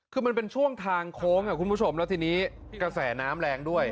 คือมันเป็นช่วงทางโค้งคุณผู้ชมแล้วทีนี้กระแสน้ำแรงด้วย